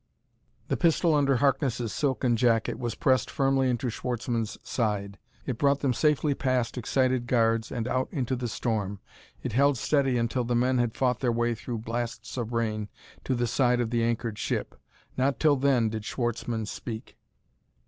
The pistol under Harkness' silken jacket was pressed firmly into Schwartzmann's side; it brought them safely past excited guards and out into the storm; it held steady until the men had fought their way through blasts of rain to the side of the anchored ship. Not till then did Schwartzmann speak.